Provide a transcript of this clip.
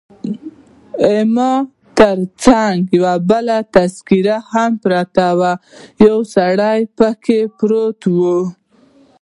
ما تر څنګ یو بله تذکیره هم پرته وه، یو سړی پکښې پروت وو.